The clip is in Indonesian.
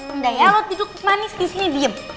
enggak ya lo tidur ke manis disini diem